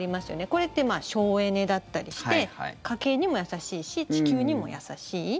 これって省エネだったりして家計にも優しいし地球にも優しい。